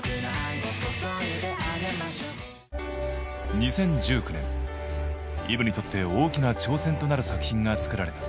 ２０１９年Ｅｖｅにとって大きな挑戦となる作品が作られた。